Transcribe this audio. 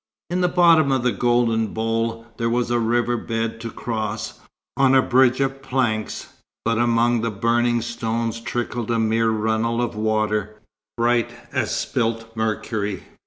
In the bottom of the golden bowl, there was a river bed to cross, on a bridge of planks, but among the burning stones trickled a mere runnel of water, bright as spilt mercury.